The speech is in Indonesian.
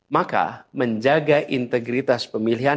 maka menjaga integritas pemilihan